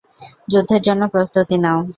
যুদ্ধের জন্য প্রস্তুতি নাও!